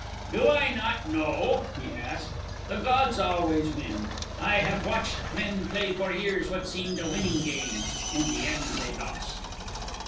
"Do I not know?" he asked. "The gods always win. I have watched men play for years what seemed a winning game. In the end they lost."